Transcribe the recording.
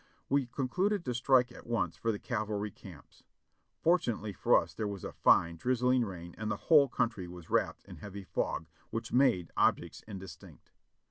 We concluded to strike at once for the cavalry camps. For tunately for us there was a fine, drizzling rain and the whole coun try was wrapped in heavy fog, which made objects indistinct.